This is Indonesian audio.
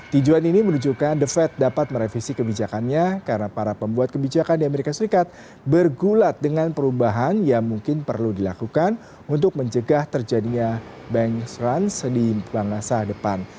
tijuan ini menunjukkan the fed dapat merevisi kebijakannya karena para pembuat kebijakan di as bergulat dengan perubahan yang mungkin perlu dilakukan untuk menjegah terjadinya bank trans di bangkasa depan